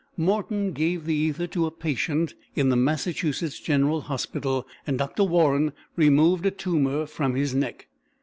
Morton gave the ether to a patient in the Massachusetts General Hospital, and Dr. Warren removed a tumour from his neck.